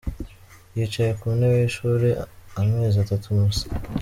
Yicaye ku ntebe y’ishuri amezi atatu masa.